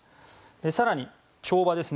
更に、跳馬ですね